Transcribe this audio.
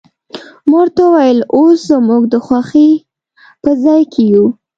ما ورته وویل، اوس زموږ د خوښۍ په ځای کې یو.